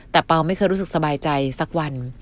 แต่เปล่าไม่เคยรู้สึกสบายใจสักวัน